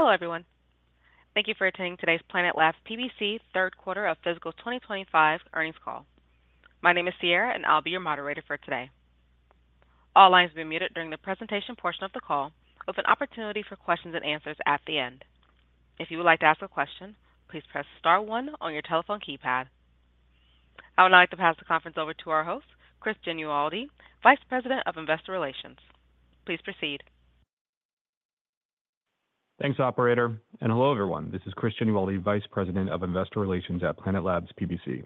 Hello, everyone. Thank you for attending today's Planet Labs PBC third quarter of fiscal 2025 earnings call. My name is Sierra, and I'll be your moderator for today. All lines will be muted during the presentation portion of the call, with an opportunity for questions and answers at the end. If you would like to ask a question, please press star one on your telephone keypad. I would now like to pass the conference over to our host, Chris Genualdi, Vice President of Investor Relations. Please proceed. Thanks, Operator. And hello, everyone. This is Chris Genualdi, Vice President of Investor Relations at Planet Labs PBC.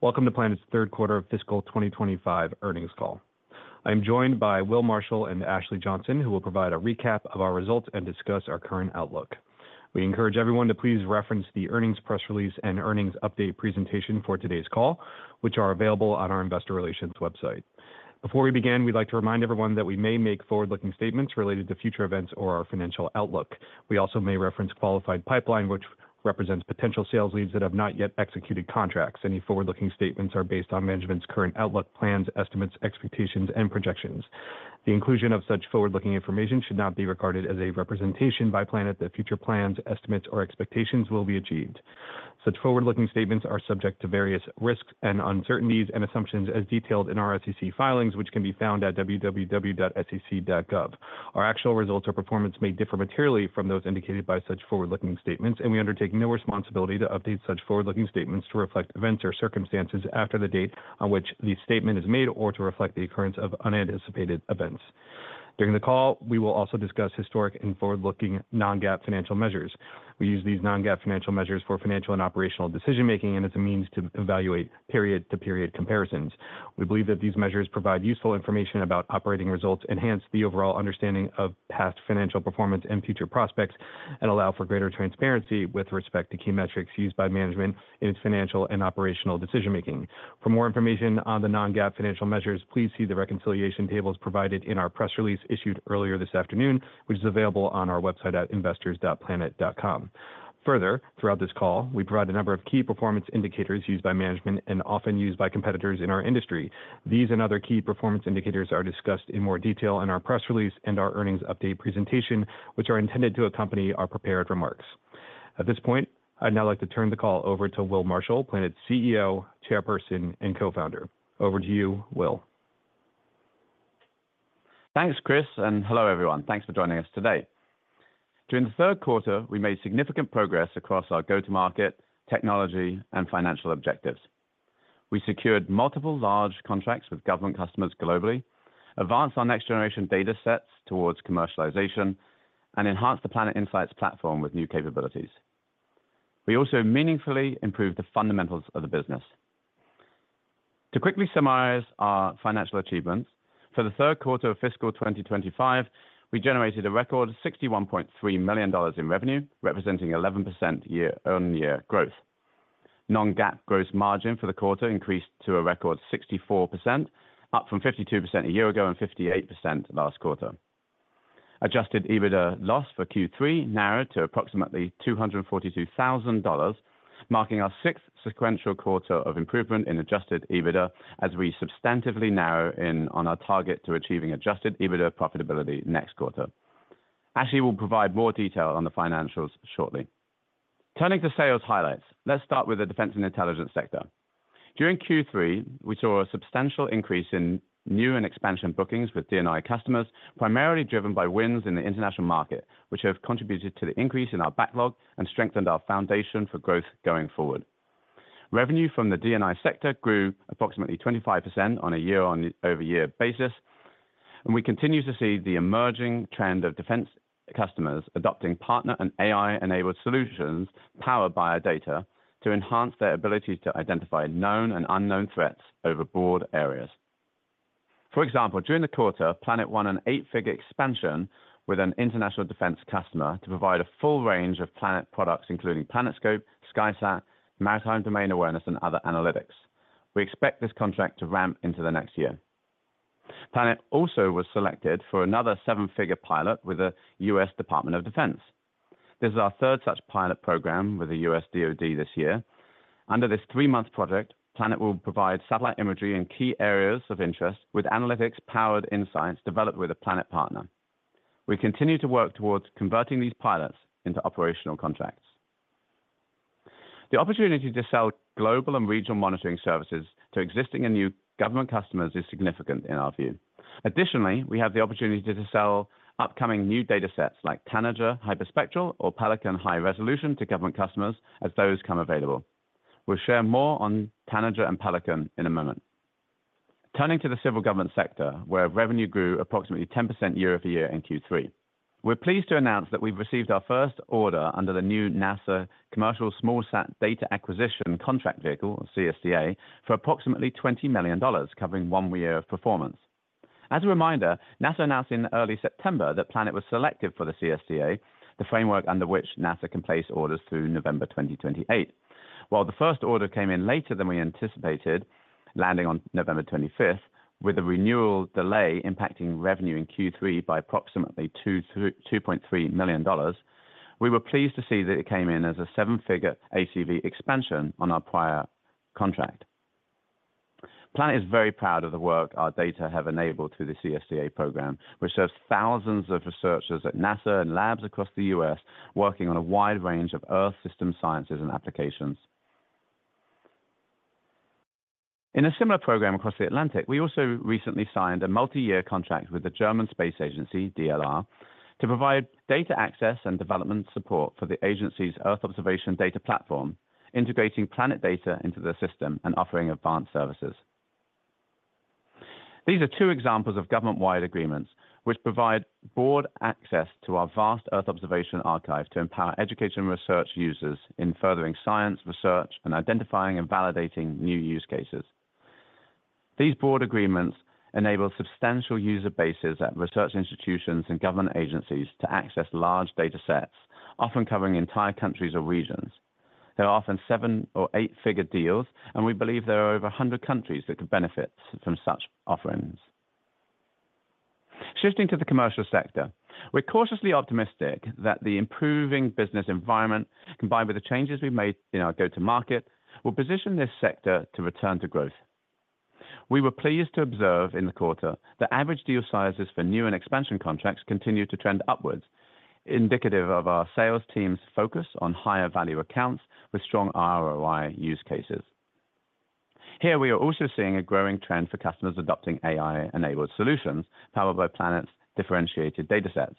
Welcome to Planet's third quarter of fiscal 2025 earnings call. I am joined by Will Marshall and Ashley Johnson, who will provide a recap of our results and discuss our current outlook. We encourage everyone to please reference the earnings press release and earnings update presentation for today's call, which are available on our Investor Relations website. Before we begin, we'd like to remind everyone that we may make forward-looking statements related to future events or our financial outlook. We also may reference qualified pipeline, which represents potential sales leads that have not yet executed contracts. Any forward-looking statements are based on management's current outlook, plans, estimates, expectations, and projections. The inclusion of such forward-looking information should not be regarded as a representation by Planet that future plans, estimates, or expectations will be achieved. Such forward-looking statements are subject to various risks and uncertainties and assumptions, as detailed in our SEC filings, which can be found at www.sec.gov. Our actual results or performance may differ materially from those indicated by such forward-looking statements, and we undertake no responsibility to update such forward-looking statements to reflect events or circumstances after the date on which the statement is made or to reflect the occurrence of unanticipated events. During the call, we will also discuss historic and forward-looking non-GAAP financial measures. We use these non-GAAP financial measures for financial and operational decision-making and as a means to evaluate period-to-period comparisons. We believe that these measures provide useful information about operating results, enhance the overall understanding of past financial performance and future prospects, and allow for greater transparency with respect to key metrics used by management in its financial and operational decision-making. For more information on the non-GAAP financial measures, please see the reconciliation tables provided in our press release issued earlier this afternoon, which is available on our website at investors.planet.com. Further, throughout this call, we provide a number of key performance indicators used by management and often used by competitors in our industry. These and other key performance indicators are discussed in more detail in our press release and our earnings update presentation, which are intended to accompany our prepared remarks. At this point, I'd now like to turn the call over to Will Marshall, Planet's CEO, Chairperson, and Co-founder. Over to you, Will. Thanks, Chris, and hello, everyone. Thanks for joining us today. During the third quarter, we made significant progress across our go-to-market, technology, and financial objectives. We secured multiple large contracts with government customers globally, advanced our next-generation data sets towards commercialization, and enhanced the Planet Insights Platform with new capabilities. We also meaningfully improved the fundamentals of the business. To quickly summarize our financial achievements, for the third quarter of fiscal 2025, we generated a record $61.3 million in revenue, representing 11% year-on-year growth. Non-GAAP gross margin for the quarter increased to a record 64%, up from 52% a year ago and 58% last quarter. Adjusted EBITDA loss for Q3 narrowed to approximately $242,000, marking our sixth sequential quarter of improvement in adjusted EBITDA as we substantively narrow in on our target to achieving adjusted EBITDA profitability next quarter. Ashley will provide more detail on the financials shortly. Turning to sales highlights, let's start with the defense and intelligence sector. During Q3, we saw a substantial increase in new and expansion bookings with D&I customers, primarily driven by wins in the international market, which have contributed to the increase in our backlog and strengthened our foundation for growth going forward. Revenue from the D&I sector grew approximately 25% on a year-over-year basis, and we continue to see the emerging trend of defense customers adopting partner and AI-enabled solutions powered by our data to enhance their ability to identify known and unknown threats over broad areas. For example, during the quarter, Planet won an eight-figure expansion with an international defense customer to provide a full range of Planet products, including PlanetScope, SkySat, maritime domain awareness, and other analytics. We expect this contract to ramp into the next year. Planet also was selected for another seven-figure pilot with the U.S. Department of Defense. This is our third such pilot program with the U.S. DOD this year. Under this three-month project, Planet will provide satellite imagery in key areas of interest with analytics-powered insights developed with a Planet partner. We continue to work towards converting these pilots into operational contracts. The opportunity to sell global and regional monitoring services to existing and new government customers is significant in our view. Additionally, we have the opportunity to sell upcoming new data sets like Tanager hyperspectral or Pelican high resolution to government customers as those come available. We'll share more on Tanager and Pelican in a moment. Turning to the civil government sector, where revenue grew approximately 10% year-over-year in Q3, we're pleased to announce that we've received our first order under the new NASA Commercial SmallSat Data Acquisition contract vehicle, CSDA, for approximately $20 million, covering one year of performance. As a reminder, NASA announced in early September that Planet was selected for the CSDA, the framework under which NASA can place orders through November 2028. While the first order came in later than we anticipated, landing on November 25th, with a renewal delay impacting revenue in Q3 by approximately $2.3 million, we were pleased to see that it came in as a seven-figure ACV expansion on our prior contract. Planet is very proud of the work our data have enabled through the CSDA program, which serves thousands of researchers at NASA and labs across the U.S. working on a wide range of Earth system sciences and applications. In a similar program across the Atlantic, we also recently signed a multi-year contract with the German space agency, DLR, to provide data access and development support for the agency's Earth observation data platform, integrating Planet data into the system and offering advanced services. These are two examples of government-wide agreements which provide broad access to our vast Earth observation archive to empower education research users in furthering science research and identifying and validating new use cases. These broad agreements enable substantial user bases at research institutions and government agencies to access large data sets, often covering entire countries or regions. There are often seven- or eight-figure deals, and we believe there are over 100 countries that could benefit from such offerings. Shifting to the commercial sector, we're cautiously optimistic that the improving business environment, combined with the changes we've made in our go-to-market, will position this sector to return to growth. We were pleased to observe in the quarter that average deal sizes for new and expansion contracts continue to trend upwards, indicative of our sales team's focus on higher value accounts with strong ROI use cases. Here, we are also seeing a growing trend for customers adopting AI-enabled solutions powered by Planet's differentiated data sets.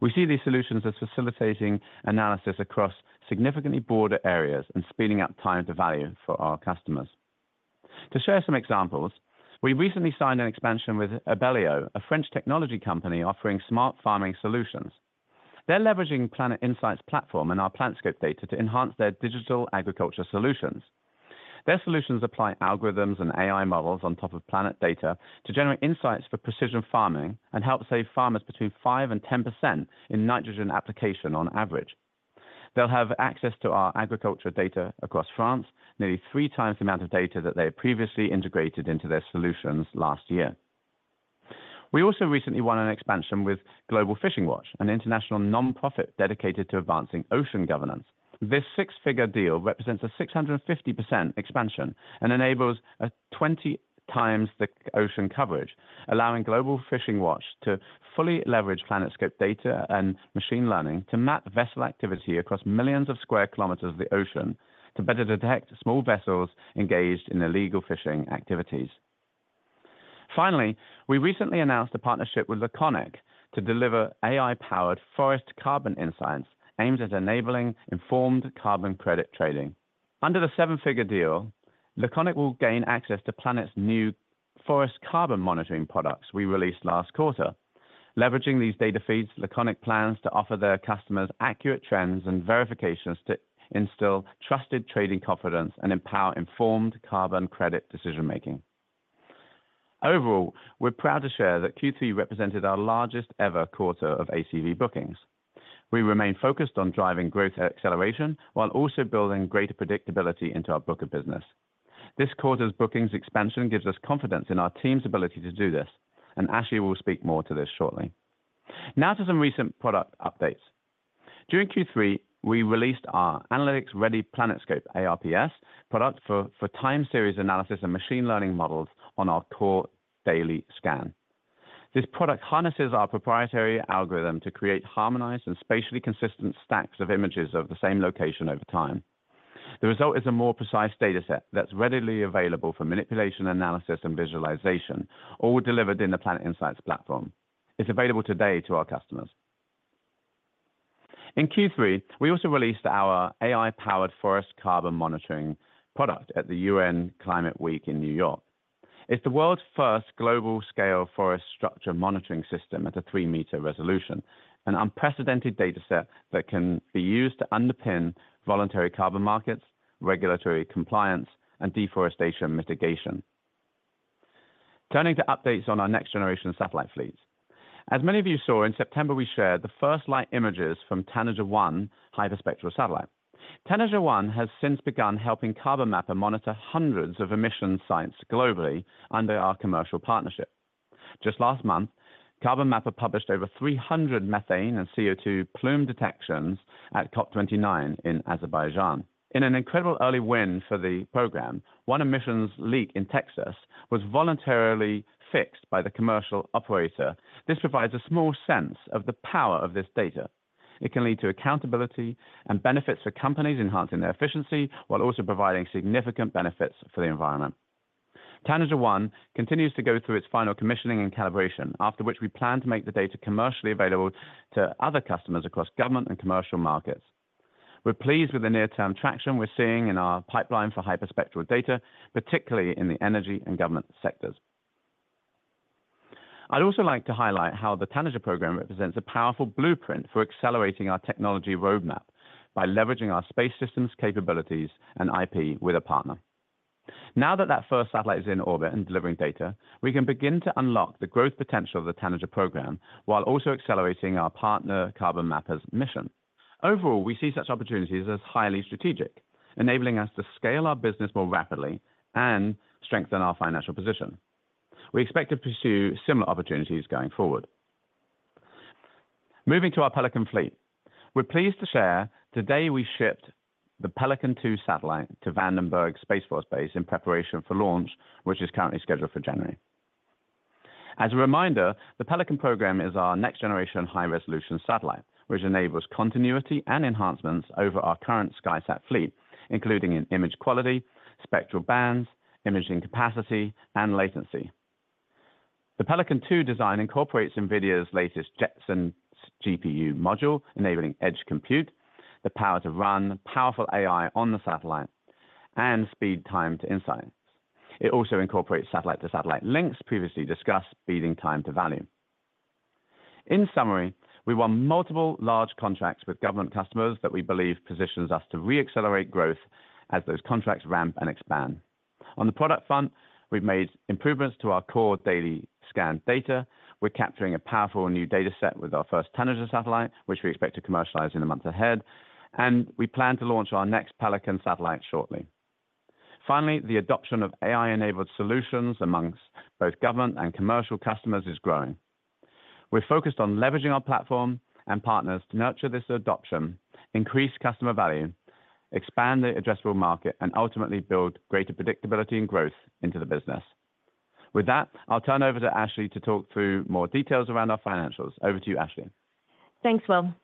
We see these solutions as facilitating analysis across significantly broader areas and speeding up time to value for our customers. To share some examples, we recently signed an expansion with Abelio, a French technology company offering smart farming solutions. They're leveraging Planet Insights Platform and our PlanetScope data to enhance their digital agriculture solutions. Their solutions apply algorithms and AI models on top of Planet data to generate insights for precision farming and help save farmers between 5% and 10% in nitrogen application on average. They'll have access to our agriculture data across France, nearly three times the amount of data that they had previously integrated into their solutions last year. We also recently won an expansion with Global Fishing Watch, an international non-profit dedicated to advancing ocean governance. This six-figure deal represents a 650% expansion and enables 20 times the ocean coverage, allowing Global Fishing Watch to fully leverage PlanetScope data and machine learning to map vessel activity across millions of square kilometers of the ocean to better detect small vessels engaged in illegal fishing activities. Finally, we recently announced a partnership with Laconic to deliver AI-powered forest carbon insights aimed at enabling informed carbon credit trading. Under the seven-figure deal, Laconic will gain access to Planet's new forest carbon monitoring products we released last quarter. Leveraging these data feeds, Laconic plans to offer their customers accurate trends and verifications to instill trusted trading confidence and empower informed carbon credit decision-making. Overall, we're proud to share that Q3 represented our largest ever quarter of ACV bookings. We remain focused on driving growth acceleration while also building greater predictability into our book of business. This quarter's bookings expansion gives us confidence in our team's ability to do this, and Ashley will speak more to this shortly. Now to some recent product updates. During Q3, we released our analytics-ready PlanetScope ARP product for time series analysis and machine learning models on our core daily scan. This product harnesses our proprietary algorithm to create harmonized and spatially consistent stacks of images of the same location over time. The result is a more precise data set that's readily available for manipulation, analysis, and visualization, all delivered in the Planet Insights Platform. It's available today to our customers. In Q3, we also released our AI-powered Forest Carbon Monitoring product at the UN Climate Week in New York. It's the world's first global-scale forest structure monitoring system at a three-meter resolution, an unprecedented data set that can be used to underpin voluntary carbon markets, regulatory compliance, and deforestation mitigation. Turning to updates on our next-generation satellite fleets. As many of you saw, in September, we shared the first light images from Tanager-1 hyperspectral satellite. Tanager-1 has since begun helping Carbon Mapper monitor hundreds of emission sites globally under our commercial partnership. Just last month, Carbon Mapper published over 300 methane and CO2 plume detections at COP29 in Azerbaijan. In an incredible early win for the program, one emissions leak in Texas was voluntarily fixed by the commercial operator. This provides a small sense of the power of this data. It can lead to accountability and benefits for companies enhancing their efficiency while also providing significant benefits for the environment. Tanager-1 continues to go through its final commissioning and calibration, after which we plan to make the data commercially available to other customers across government and commercial markets. We're pleased with the near-term traction we're seeing in our pipeline for hyperspectral data, particularly in the energy and government sectors. I'd also like to highlight how the Tanager program represents a powerful blueprint for accelerating our technology roadmap by leveraging our space systems, capabilities, and IP with a partner. Now that the first satellite is in orbit and delivering data, we can begin to unlock the growth potential of the Tanager program while also accelerating our partner Carbon Mapper's mission. Overall, we see such opportunities as highly strategic, enabling us to scale our business more rapidly and strengthen our financial position. We expect to pursue similar opportunities going forward. Moving to our Pelican fleet, we're pleased to share today we shipped the Pelican-2 satellite to Vandenberg Space Force Base in preparation for launch, which is currently scheduled for January. As a reminder, the Pelican program is our next-generation high-resolution satellite, which enables continuity and enhancements over our current SkySat fleet, including in image quality, spectral bands, imaging capacity, and latency. The Pelican-2 design incorporates NVIDIA's latest Jetson GPU module, enabling edge compute, the power to run powerful AI on the satellite, and speed time to insights. It also incorporates satellite-to-satellite links, previously discussed, speeding time to value. In summary, we won multiple large contracts with government customers that we believe positions us to re-accelerate growth as those contracts ramp and expand. On the product front, we've made improvements to our core daily scan data. We're capturing a powerful new data set with our first Tanager satellite, which we expect to commercialize in a month ahead, and we plan to launch our next Pelican satellite shortly. Finally, the adoption of AI-enabled solutions amongst both government and commercial customers is growing. We're focused on leveraging our platform and partners to nurture this adoption, increase customer value, expand the addressable market, and ultimately build greater predictability and growth into the business. With that, I'll turn over to Ashley to talk through more details around our financials. Over to you, Ashley. Thanks, Will.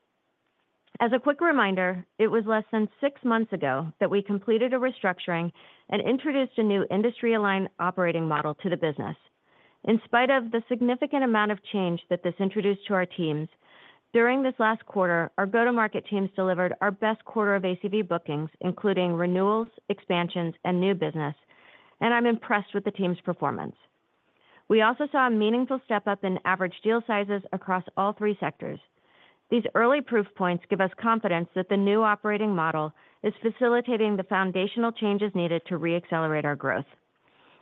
As a quick reminder, it was less than six months ago that we completed a restructuring and introduced a new industry-aligned operating model to the business. In spite of the significant amount of change that this introduced to our teams, during this last quarter, our go-to-market teams delivered our best quarter of ACV bookings, including renewals, expansions, and new business, and I'm impressed with the team's performance. We also saw a meaningful step up in average deal sizes across all three sectors. These early proof points give us confidence that the new operating model is facilitating the foundational changes needed to re-accelerate our growth.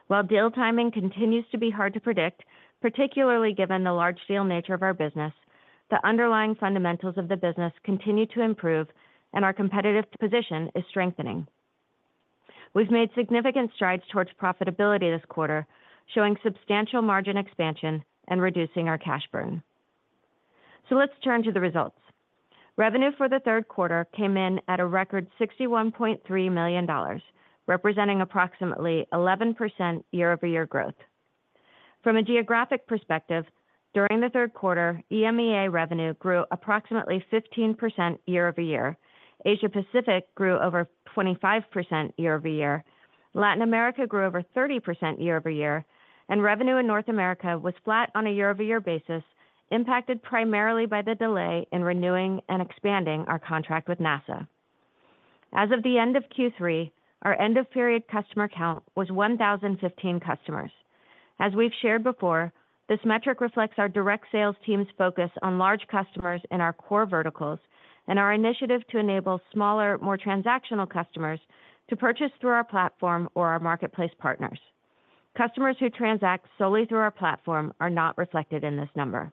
While deal timing continues to be hard to predict, particularly given the large-scale nature of our business, the underlying fundamentals of the business continue to improve, and our competitive position is strengthening. We've made significant strides towards profitability this quarter, showing substantial margin expansion and reducing our cash burn. So let's turn to the results. Revenue for the third quarter came in at a record $61.3 million, representing approximately 11% year-over-year growth. From a geographic perspective, during the third quarter, EMEA revenue grew approximately 15% year-over-year, Asia-Pacific grew over 25% year-over-year, Latin America grew over 30% year-over-year, and revenue in North America was flat on a year-over-year basis, impacted primarily by the delay in renewing and expanding our contract with NASA. As of the end of Q3, our end-of-period customer count was 1,015 customers. As we've shared before, this metric reflects our direct sales team's focus on large customers in our core verticals and our initiative to enable smaller, more transactional customers to purchase through our platform or our marketplace partners. Customers who transact solely through our platform are not reflected in this number.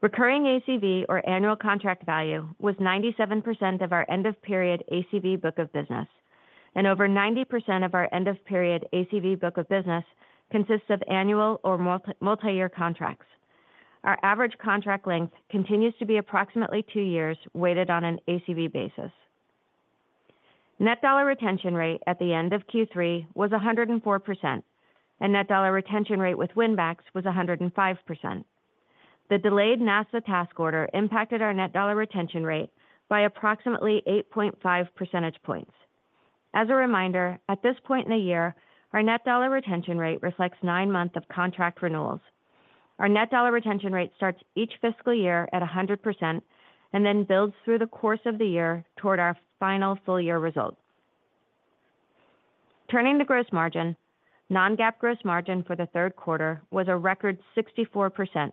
Recurring ACV, or annual contract value, was 97% of our end-of-period ACV book of business, and over 90% of our end-of-period ACV book of business consists of annual or multi-year contracts. Our average contract length continues to be approximately two years weighted on an ACV basis. Net dollar retention rate at the end of Q3 was 104%, and net dollar retention rate with Winbacks was 105%. The delayed NASA task order impacted our net dollar retention rate by approximately 8.5 percentage points. As a reminder, at this point in the year, our net dollar retention rate reflects nine months of contract renewals. Our net dollar retention rate starts each fiscal year at 100% and then builds through the course of the year toward our final full-year result. Turning to gross margin, Non-GAAP gross margin for the third quarter was a record 64%,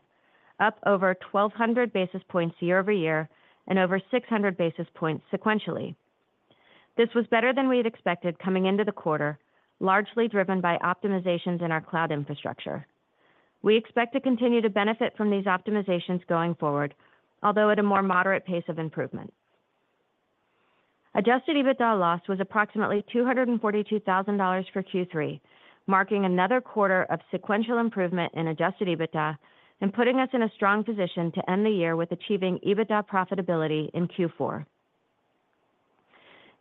up over 1,200 basis points year-over-year and over 600 basis points sequentially. This was better than we had expected coming into the quarter, largely driven by optimizations in our cloud infrastructure. We expect to continue to benefit from these optimizations going forward, although at a more moderate pace of improvement. Adjusted EBITDA loss was approximately $242,000 for Q3, marking another quarter of sequential improvement in adjusted EBITDA and putting us in a strong position to end the year with achieving EBITDA profitability in Q4.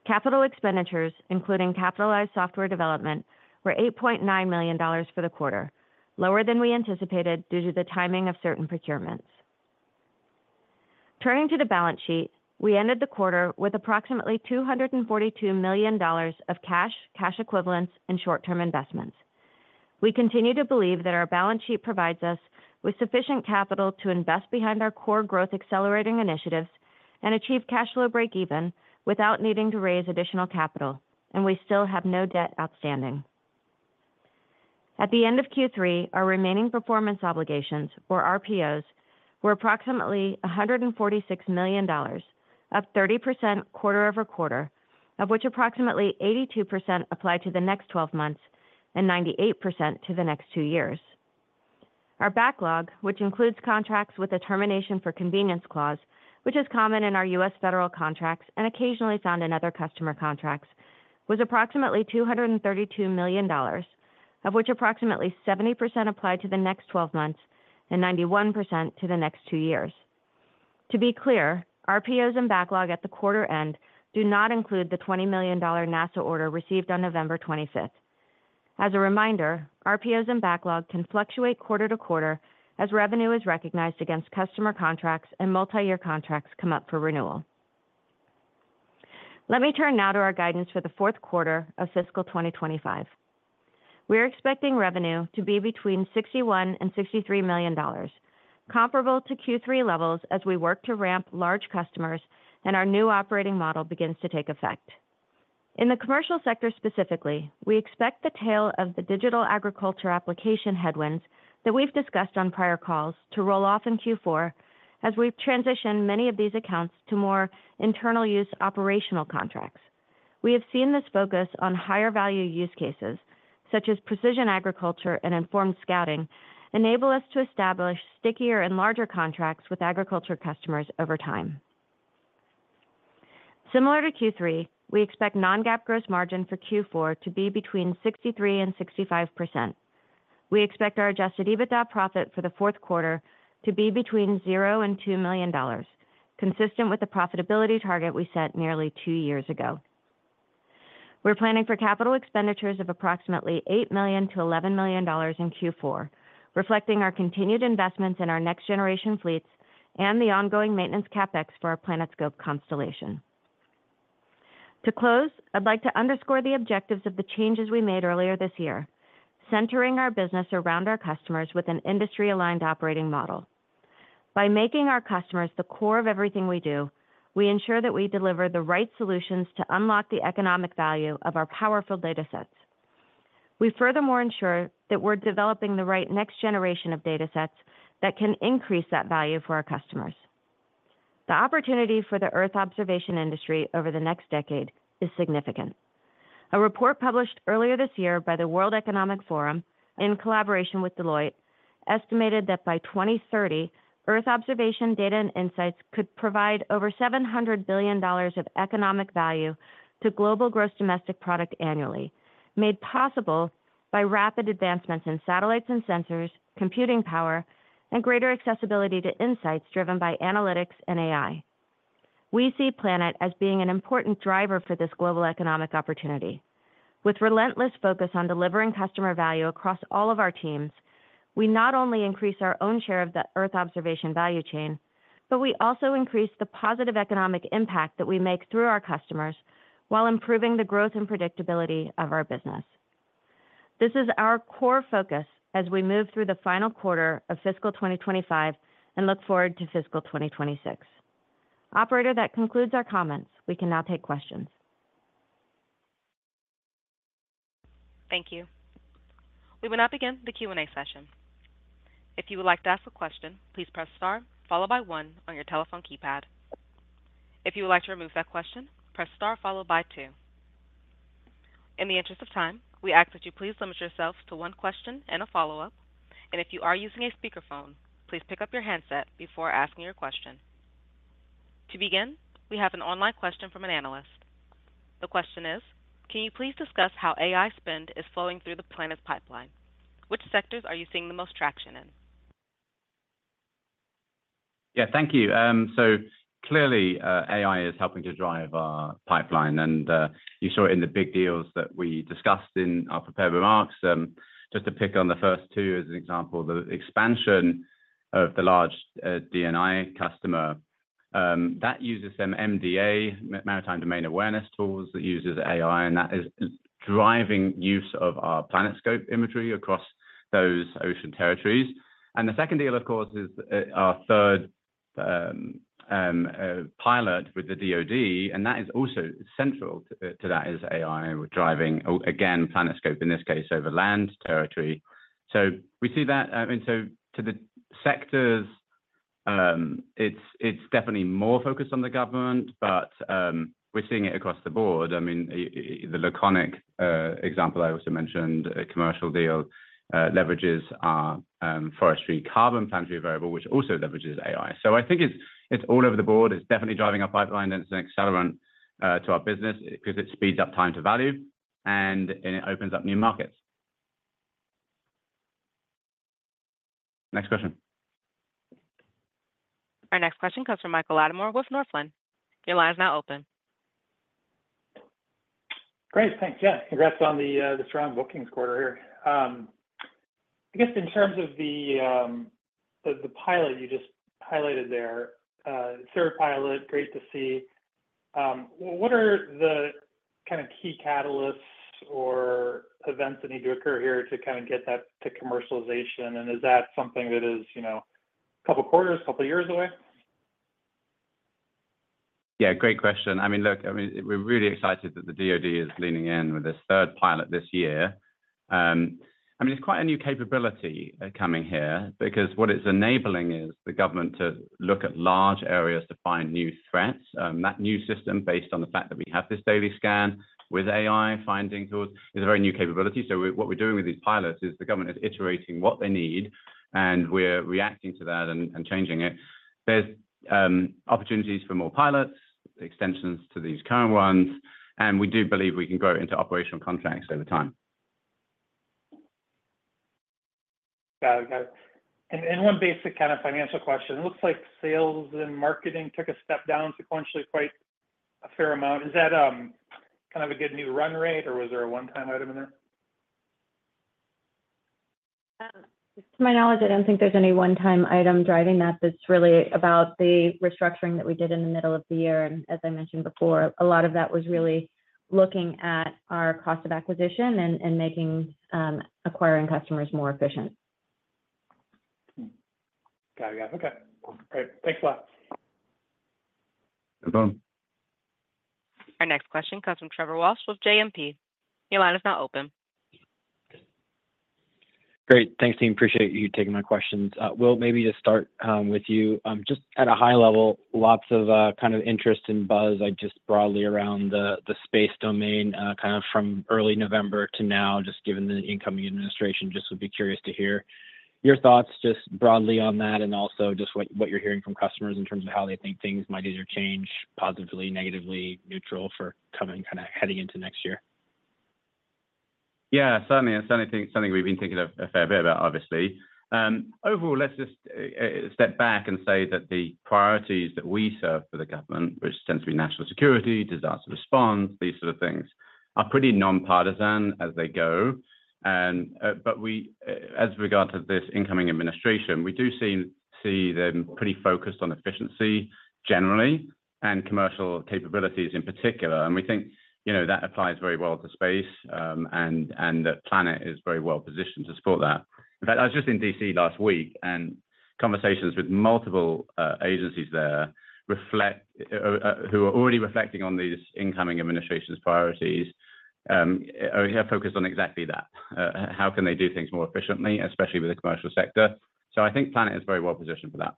Capital expenditures, including capitalized software development, were $8.9 million for the quarter, lower than we anticipated due to the timing of certain procurements. Turning to the balance sheet, we ended the quarter with approximately $242 million of cash, cash equivalents, and short-term investments. We continue to believe that our balance sheet provides us with sufficient capital to invest behind our core growth accelerating initiatives and achieve cash flow break-even without needing to raise additional capital, and we still have no debt outstanding. At the end of Q3, our remaining performance obligations, or RPOs, were approximately $146 million, up 30% quarter over quarter, of which approximately 82% applied to the next 12 months and 98% to the next two years. Our backlog, which includes contracts with a termination for convenience clause, which is common in our U.S. federal contracts and occasionally found in other customer contracts, was approximately $232 million, of which approximately 70% applied to the next 12 months and 91% to the next two years. To be clear, RPOs and backlog at the quarter end do not include the $20 million NASA order received on November 25th. As a reminder, RPOs and backlog can fluctuate quarter to quarter as revenue is recognized against customer contracts and multi-year contracts come up for renewal. Let me turn now to our guidance for the fourth quarter of fiscal 2025. We are expecting revenue to be between $61 and $63 million, comparable to Q3 levels as we work to ramp large customers and our new operating model begins to take effect. In the commercial sector specifically, we expect the tail of the digital agriculture application headwinds that we've discussed on prior calls to roll off in Q4 as we've transitioned many of these accounts to more internal-use operational contracts. We have seen this focus on higher-value use cases, such as precision agriculture and informed scouting, enable us to establish stickier and larger contracts with agriculture customers over time. Similar to Q3, we expect non-GAAP gross margin for Q4 to be between 63%-65%. We expect our adjusted EBITDA profit for the fourth quarter to be between $0-$2 million, consistent with the profitability target we set nearly two years ago. We're planning for capital expenditures of approximately $8-$11 million in Q4, reflecting our continued investments in our next-generation fleets and the ongoing maintenance CapEx for our PlanetScope constellation. To close, I'd like to underscore the objectives of the changes we made earlier this year, centering our business around our customers with an industry-aligned operating model. By making our customers the core of everything we do, we ensure that we deliver the right solutions to unlock the economic value of our powerful data sets. We furthermore ensure that we're developing the right next generation of data sets that can increase that value for our customers. The opportunity for the Earth observation industry over the next decade is significant. A report published earlier this year by the World Economic Forum in collaboration with Deloitte estimated that by 2030, Earth observation data and insights could provide over $700 billion of economic value to global gross domestic product annually, made possible by rapid advancements in satellites and sensors, computing power, and greater accessibility to insights driven by analytics and AI. We see Planet as being an important driver for this global economic opportunity. With relentless focus on delivering customer value across all of our teams, we not only increase our own share of the Earth observation value chain, but we also increase the positive economic impact that we make through our customers while improving the growth and predictability of our business. This is our core focus as we move through the final quarter of fiscal 2025 and look forward to fiscal 2026. Operator, that concludes our comments. We can now take questions. Thank you. We will now begin the Q&A session. If you would like to ask a question, please press star followed by one on your telephone keypad. If you would like to remove that question, press star followed by two. In the interest of time, we ask that you please limit yourself to one question and a follow-up, and if you are using a speakerphone, please pick up your handset before asking your question. To begin, we have an online question from an analyst. The question is, "Can you please discuss how AI spend is flowing through the Planet's pipeline? Which sectors are you seeing the most traction in?" Yeah, thank you. So clearly, AI is helping to drive our pipeline, and you saw it in the big deals that we discussed in our prepared remarks. Just to pick on the first two as an example, the expansion of the large D&I customer that uses some MDA, maritime domain awareness tools that uses AI, and that is driving use of our PlanetScope imagery across those ocean territories. And the second deal, of course, is our third pilot with the DOD, and that is also central to that is AI driving, again, PlanetScope in this case over land territory. So we see that. And so to the sectors, it is definitely more focused on the government, but we are seeing it across the board. I mean, the Laconic example I also mentioned, commercial deal leverages our Forest Carbon Planetary Variable, which also leverages AI. So I think it is all over the board. It is definitely driving our pipeline, and it is an accelerant to our business because it speeds up time to value, and it opens up new markets. Next question. Our next question comes from Michael Latimore with Northland. Your line is now open. Great. Thanks. Yeah, congrats on the strong bookings quarter here. I guess in terms of the pilot you just highlighted there, third pilot, great to see. What are the kind of key catalysts or events that need to occur here to kind of get that to commercialization? And is that something that is a couple of quarters, a couple of years away? Yeah, great question. I mean, look, we're really excited that the DoD is leaning in with this third pilot this year. I mean, it's quite a new capability coming here because what it's enabling is the government to look at large areas to find new threats. That new system, based on the fact that we have this daily scan with AI finding tools, is a very new capability. So what we're doing with these pilots is the government is iterating what they need, and we're reacting to that and changing it. There's opportunities for more pilots, extensions to these current ones, and we do believe we can grow into operational contracts over time. Got it. Got it. And one basic kind of financial question. It looks like sales and marketing took a step down sequentially quite a fair amount. Is that kind of a good new run rate, or was there a one-time item in there? To my knowledge, I don't think there's any one-time item driving that. That's really about the restructuring that we did in the middle of the year. And as I mentioned before, a lot of that was really looking at our cost of acquisition and making acquiring customers more efficient. Got it. Got it. Okay. Great. Thanks a lot. No problem. Our next question comes from Trevor Walsh with JMP. Your line is now open. Great. Thanks, team. Appreciate you taking my questions. We'll maybe just start with you. Just at a high level, lots of kind of interest and buzz, I guess, broadly around the space domain kind of from early November to now, just given the incoming administration. Just would be curious to hear your thoughts just broadly on that and also just what you're hearing from customers in terms of how they think things might either change positively, negatively, neutral for coming kind of heading into next year. Yeah, certainly. It's something we've been thinking a fair bit about, obviously. Overall, let's just step back and say that the priorities that we serve for the government, which tends to be national security, disaster response, these sort of things, are pretty nonpartisan as they go. But as we regard to this incoming administration, we do see them pretty focused on efficiency generally and commercial capabilities in particular. And we think that applies very well to space, and Planet is very well positioned to support that. In fact, I was just in DC last week, and conversations with multiple agencies there who are already reflecting on these incoming administration's priorities are focused on exactly that. How can they do things more efficiently, especially with the commercial sector? So I think Planet is very well positioned for that.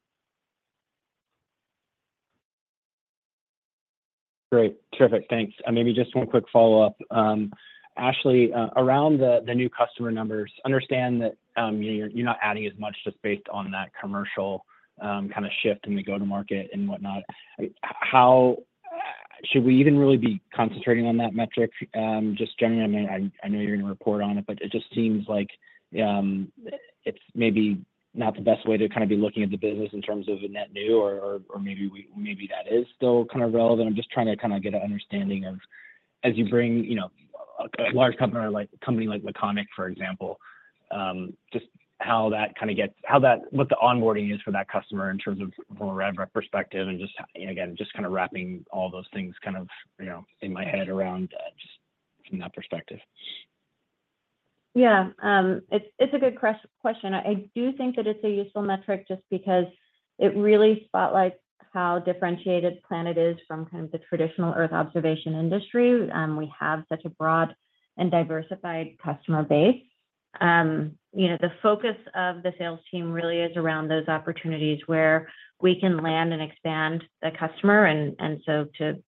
Great. Terrific. Thanks. And maybe just one quick follow-up. Ashley, around the new customer numbers, understand that you're not adding as much just based on that commercial kind of shift in the go-to-market and whatnot. How should we even really be concentrating on that metric? Just generally, I know you're going to report on it, but it just seems like it's maybe not the best way to kind of be looking at the business in terms of a net new, or maybe that is still kind of relevant. I'm just trying to kind of get an understanding of, as you bring a large company like Laconic, for example, just how that kind of gets what the onboarding is for that customer in terms of from a RevRec perspective and just, again, just kind of wrapping all those things kind of in my head around just from that perspective. Yeah. It's a good question. I do think that it's a useful metric just because it really spotlights how differentiated Planet is from kind of the traditional Earth observation industry. We have such a broad and diversified customer base. The focus of the sales team really is around those opportunities where we can land and expand the customer. To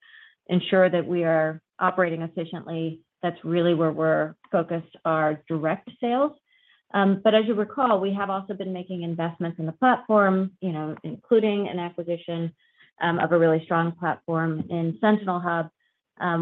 ensure that we are operating efficiently, that's really where we're focused our direct sales. As you recall, we have also been making investments in the platform, including an acquisition of a really strong platform in Sentinel Hub,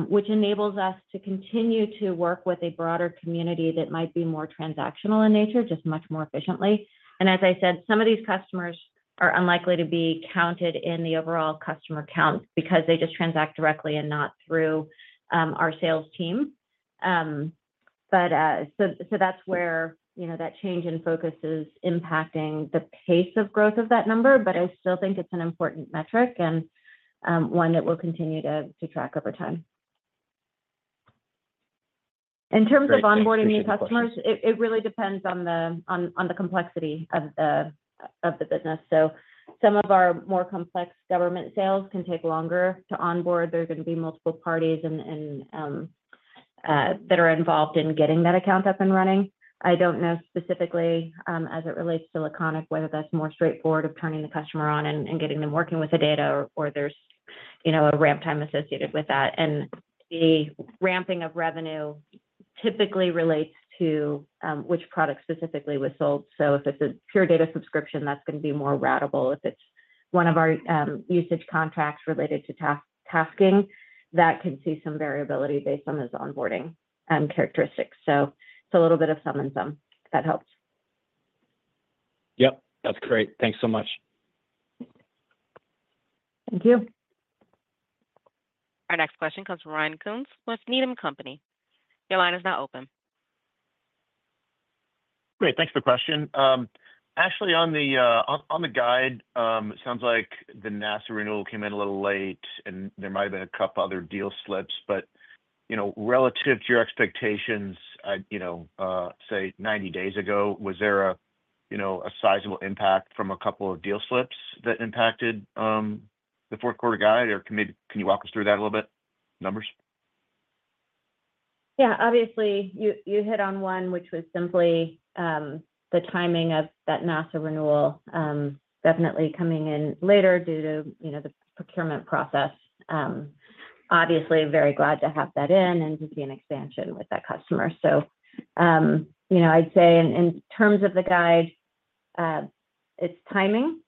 which enables us to continue to work with a broader community that might be more transactional in nature, just much more efficiently. As I said, some of these customers are unlikely to be counted in the overall customer count because they just transact directly and not through our sales team. That's where that change in focus is impacting the pace of growth of that number, but I still think it's an important metric and one that will continue to track over time. In terms of onboarding new customers, it really depends on the complexity of the business. So some of our more complex government sales can take longer to onboard. There are going to be multiple parties that are involved in getting that account up and running. I don't know specifically as it relates to Laconic whether that's more straightforward of turning the customer on and getting them working with the data, or there's a ramp time associated with that. And the ramping of revenue typically relates to which product specifically was sold. So if it's a pure data subscription, that's going to be more ratable. If it's one of our usage contracts related to tasking, that can see some variability based on those onboarding characteristics. So it's a little bit of some and some. That helps. Yep. That's great. Thanks so much. Thank you. Our next question comes from Ryan Koontz with Needham & Company. Your line is now open. Great. Thanks for the question. Ashley, on the guide, it sounds like the NASA renewal came in a little late, and there might have been a couple of other deal slips. But relative to your expectations, say, 90 days ago, was there a sizable impact from a couple of deal slips that impacted the fourth quarter guide? Or can you walk us through that a little bit? Numbers? Yeah. Obviously, you hit on one, which was simply the timing of that NASA renewal definitely coming in later due to the procurement process. Obviously, very glad to have that in and to see an expansion with that customer. So I'd say in terms of the guide, it's timing.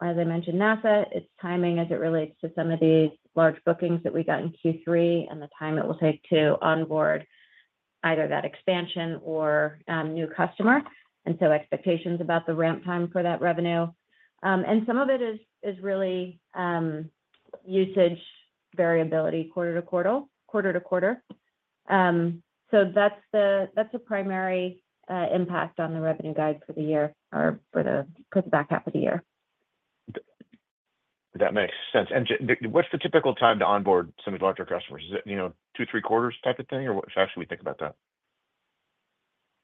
As I mentioned, NASA, it's timing as it relates to some of these large bookings that we got in Q3 and the time it will take to onboard either that expansion or new customer. And so expectations about the ramp time for that revenue. And some of it is really usage variability quarter to quarter, quarter to quarter. So that's a primary impact on the revenue guide for the year or for the back half of the year. That makes sense. And what's the typical time to onboard some of the larger customers? Is it two, three quarters type of thing, or how should we think about that?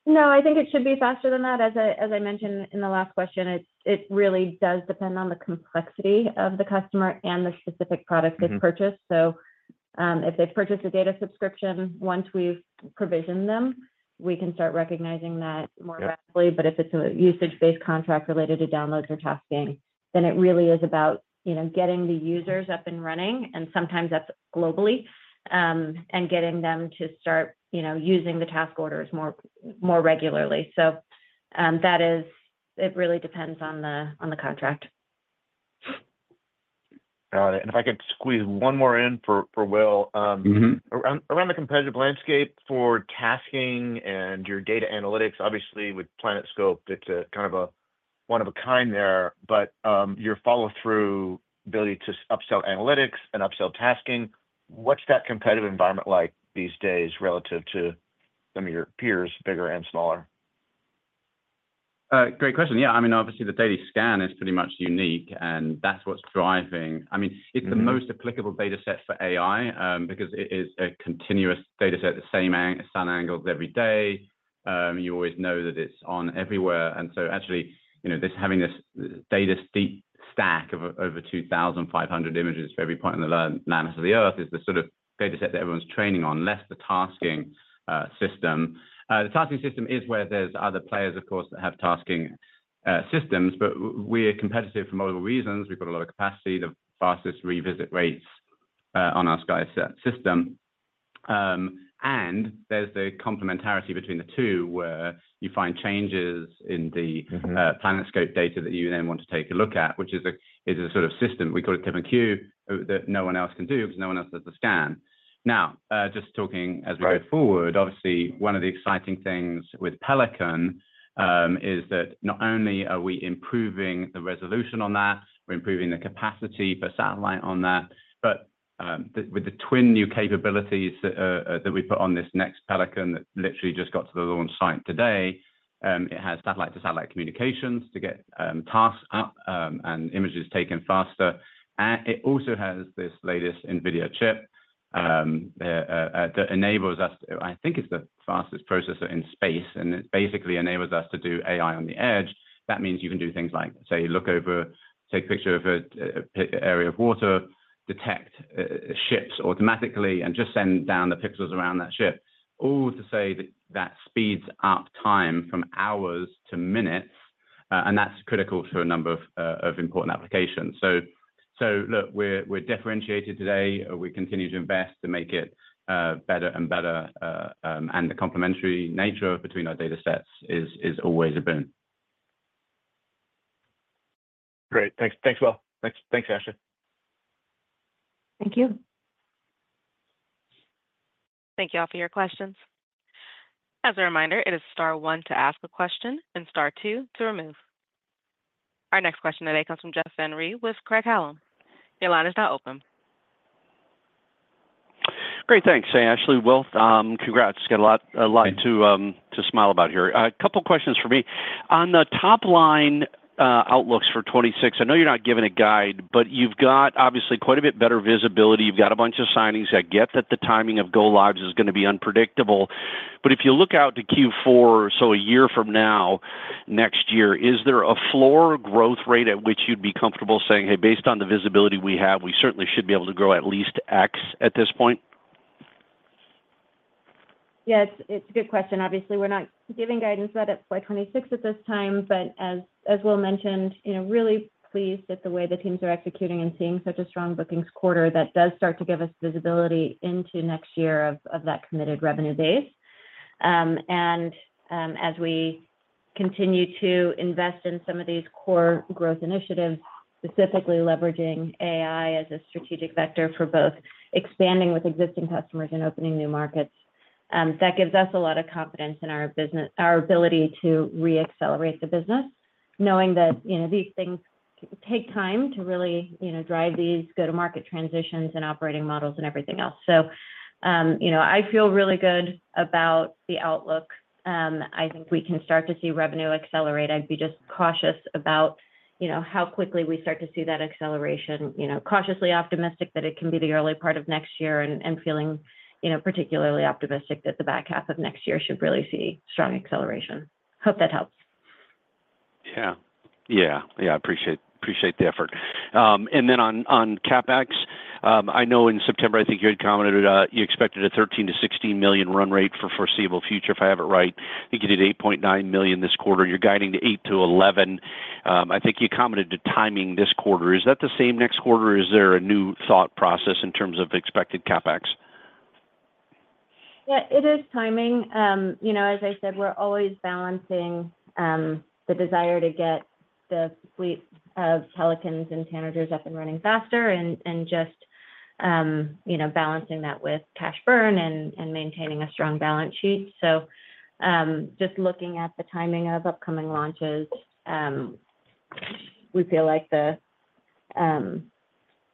No, I think it should be faster than that. As I mentioned in the last question, it really does depend on the complexity of the customer and the specific product they've purchased. So if they've purchased a data subscription, once we've provisioned them, we can start recognizing that more rapidly. But if it's a usage-based contract related to downloads or tasking, then it really is about getting the users up and running, and sometimes that's globally, and getting them to start using the task orders more regularly. So that is it really depends on the contract. Got it. And if I could squeeze one more in for Will. Around the competitive landscape for tasking and your data analytics, obviously, with PlanetScope, it's kind of a one of a kind there. But your follow-through ability to upsell analytics and upsell tasking, what's that competitive environment like these days relative to some of your peers, bigger and smaller? Great question. Yeah. I mean, obviously, the daily scan is pretty much unique, and that's what's driving. I mean, it's the most applicable dataset for AI because it is a continuous dataset, the same sun angles every day. You always know that it's on everywhere. And so actually, having this data stack of over 2,500 images for every point in the land of the Earth is the sort of dataset that everyone's training on, less the tasking system. The tasking system is where there's other players, of course, that have tasking systems, but we are competitive for multiple reasons. We've got a lot of capacity, the fastest revisit rates on our SkySat system. And there's the complementarity between the two where you find changes in the PlanetScope data that you then want to take a look at, which is a sort of system we call a tip and cue that no one else can do because no one else does the scan. Now, just talking as we go forward, obviously, one of the exciting things with Pelican is that not only are we improving the resolution on that, we're improving the capacity for satellite on that, but with the twin new capabilities that we put on this next Pelican that literally just got to the launch site today, it has satellite-to-satellite communications to get tasks up and images taken faster, and it also has this latest NVIDIA chip that enables us to, I think it's the fastest processor in space, and it basically enables us to do AI on the edge. That means you can do things like, say, look over, take a picture of an area of water, detect ships automatically, and just send down the pixels around that ship, all to say that that speeds up time from hours to minutes, and that's critical for a number of important applications. So look, we're differentiated today. We continue to invest to make it better and better, and the complementary nature between our datasets is always a boon. Great. Thanks, Will. Thanks, Ashley. Thank you. Thank you all for your questions. As a reminder, it is star one to ask a question and star two to remove. Our next question today comes from Jeff Van Rhee with Craig-Hallum Capital Group. Your line is now open. Great. Thanks, Ashley. Will, congrats. Got a lot to smile about here. A couple of questions for me. On the top line outlooks for 2026, I know you're not giving a guide, but you've got obviously quite a bit better visibility. You've got a bunch of signings. I get that the timing of go-lives is going to be unpredictable. But if you look out to Q4, so a year from now, next year, is there a floor growth rate at which you'd be comfortable saying, "Hey, based on the visibility we have, we certainly should be able to grow at least X at this point"? Yes. It's a good question. Obviously, we're not giving guidance that it's by 2026 at this time, but as Will mentioned, really pleased at the way the teams are executing and seeing such a strong bookings quarter that does start to give us visibility into next year of that committed revenue base. As we continue to invest in some of these core growth initiatives, specifically leveraging AI as a strategic vector for both expanding with existing customers and opening new markets, that gives us a lot of confidence in our ability to re-accelerate the business, knowing that these things take time to really drive these go-to-market transitions and operating models and everything else. I feel really good about the outlook. I think we can start to see revenue accelerate. I'd be just cautious about how quickly we start to see that acceleration, cautiously optimistic that it can be the early part of next year and feeling particularly optimistic that the back half of next year should really see strong acceleration. Hope that helps. Yeah. Yeah. Yeah. I appreciate the effort. And then on CapEx, I know in September, I think you had commented you expected a $13-$16 million run rate for foreseeable future, if I have it right. I think you did $8.9 million this quarter. You're guiding to $8-$11 million. I think you commented to timing this quarter. Is that the same next quarter, or is there a new thought process in terms of expected CapEx? Yeah. It is timing. As I said, we're always balancing the desire to get the fleet of Pelicans and Tanagers up and running faster and just balancing that with cash burn and maintaining a strong balance sheet. So just looking at the timing of upcoming launches, we feel like that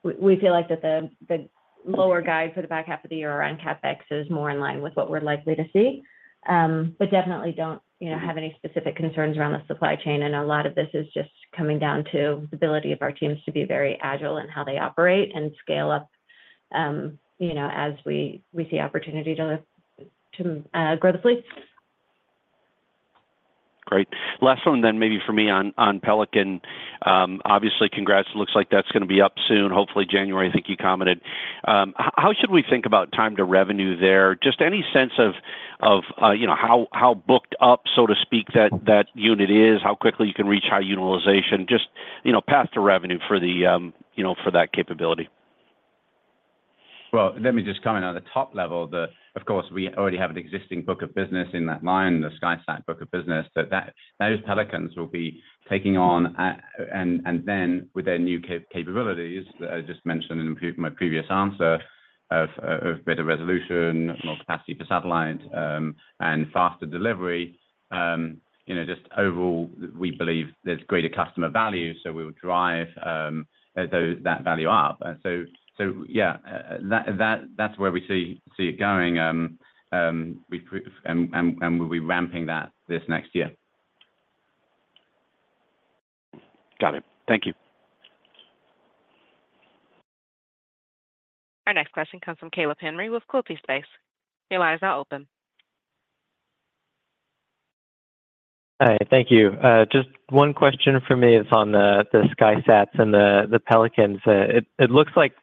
the lower guide for the back half of the year around CapEx is more in line with what we're likely to see. But definitely don't have any specific concerns around the supply chain. And a lot of this is just coming down to the ability of our teams to be very agile in how they operate and scale up as we see opportunity to grow the fleet. Great. Last one then maybe for me on Pelican. Obviously, congrats. It looks like that's going to be up soon, hopefully January. I think you commented. How should we think about time to revenue there? Just any sense of how booked up, so to speak, that unit is, how quickly you can reach high utilization, just path to revenue for that capability? Well, let me just comment on the top level. Of course, we already have an existing book of business in that line, the SkySat book of business. So those Pelicans will be taking on, and then with their new capabilities that I just mentioned in my previous answer of better resolution, more capacity for satellite, and faster delivery, just overall, we believe there's greater customer value, so we will drive that value up. So yeah, that's where we see it going, and we'll be ramping that this next year. Got it. Thank you. Our next question comes from Caleb Henry with Quilty Space. Your line is now open. Hi. Thank you. Just one question for me on the SkySats and the Pelicans. It looks like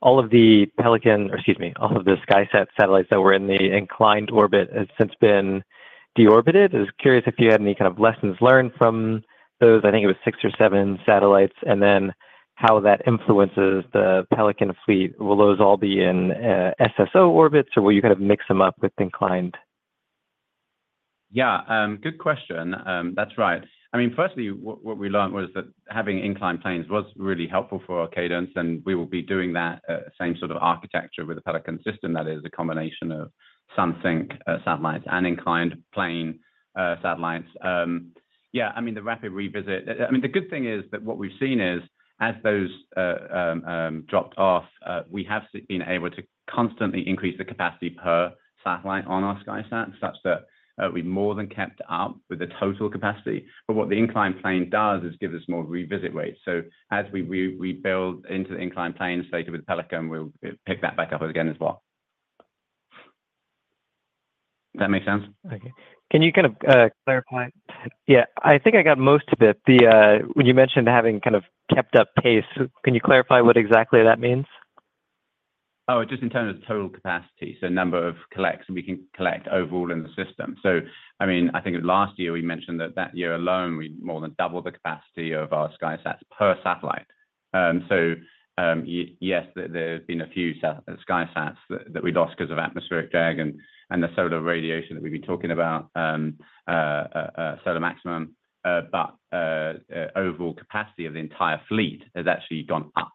all of the Pelican or excuse me, all of the SkySat satellites that were in the inclined orbit have since been deorbited. I was curious if you had any kind of lessons learned from those. I think it was six or seven satellites. And then how that influences the Pelican fleet. Will those all be in SSO orbits, or will you kind of mix them up with inclined? Yeah. Good question. That's right. I mean, firstly, what we learned was that having inclined planes was really helpful for our cadence, and we will be doing that same sort of architecture with the Pelican system that is a combination of sun-synchronous satellites and inclined plane satellites. Yeah. I mean, the rapid revisit I mean, the good thing is that what we've seen is as those dropped off, we have been able to constantly increase the capacity per satellite on our SkySat such that we more than kept up with the total capacity. But what the inclined plane does is give us more revisit rates. So as we rebuild into the inclined planes later with Pelican, we'll pick that back up again as well. Does that make sense? Okay. Can you kind of clarify? Yeah. I think I got most of it. When you mentioned having kind of kept up pace, can you clarify what exactly that means? Oh, just in terms of total capacity, so number of collects we can collect overall in the system. So I mean, I think last year we mentioned that year alone, we more than doubled the capacity of our SkySats per satellite. So yes, there have been a few SkySats that we lost because of atmospheric drag and the solar radiation that we've been talking about, solar maximum. But overall capacity of the entire fleet has actually gone up.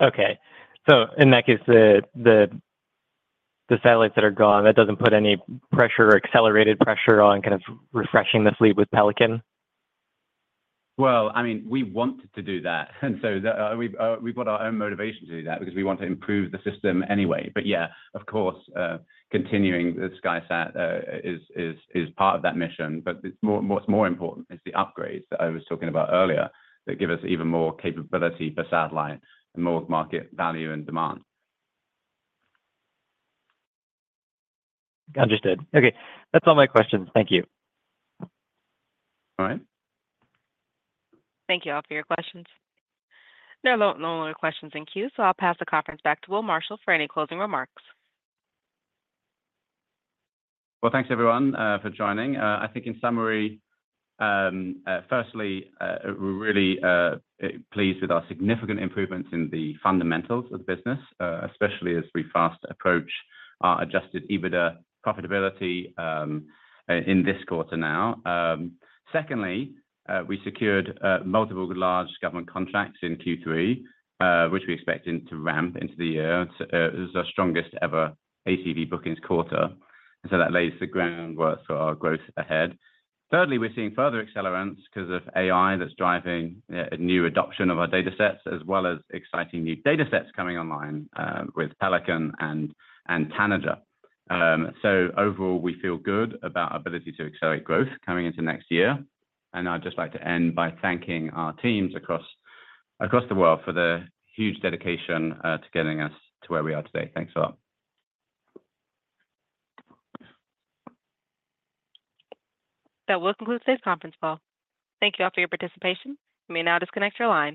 Okay. So in that case, the satellites that are gone, that doesn't put any pressure or accelerated pressure on kind of refreshing the fleet with Pelican? Well, I mean, we wanted to do that. And so we've got our own motivation to do that because we want to improve the system anyway. But yeah, of course, continuing the SkySat is part of that mission. But what's more important is the upgrades that I was talking about earlier that give us even more capability per satellite and more market value and demand. Understood. Okay. That's all my questions. Thank you. All right. Thank you all for your questions. No longer questions in queue. So I'll pass the conference back to Will Marshall for any closing remarks. Well, thanks everyone for joining. I think in summary, firstly, we're really pleased with our significant improvements in the fundamentals of the business, especially as we fast approach our adjusted EBITDA profitability in this quarter now. Secondly, we secured multiple large government contracts in Q3, which we expect to ramp into the year. It was our strongest ever ACV bookings quarter. And so that lays the groundwork for our growth ahead. Thirdly, we're seeing further acceleration because of AI that's driving a new adoption of our datasets, as well as exciting new datasets coming online with Pelican and Tanager. So overall, we feel good about our ability to accelerate growth coming into next year. And I'd just like to end by thanking our teams across the world for the huge dedication to getting us to where we are today. Thanks a lot. That will conclude today's conference, Will. Thank you all for your participation. You may now disconnect your line.